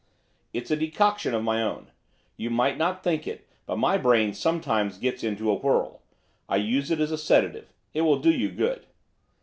'It's a decoction of my own. You might not think it, but my brain sometimes gets into a whirl. I use it as a sedative. It will do you good.